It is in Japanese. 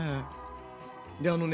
であのね